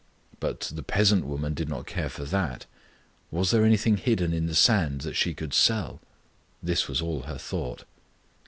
But the peasant woman did not care for that. Was there anything hidden in the sand that she could sell? This was all her thought.